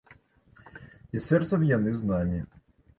І сэрцам яны з намі.